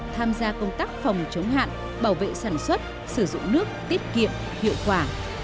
tham gia công tác phòng chống hạn bảo vệ sản xuất sử dụng nước tiết kiệm hiệu quả